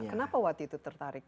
kenapa waktu itu tertarik